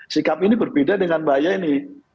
sikap ini berbeda dengan mbak yeni